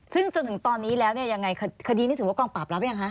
ซึ่งจนถึงตอนนี้แล้วเนี่ยยังไงคดีนี้ถือว่ากองปราบรับยังคะ